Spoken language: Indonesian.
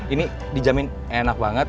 ini dijamin enak banget